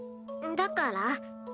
だから？